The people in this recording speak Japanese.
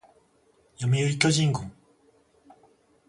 読売巨人軍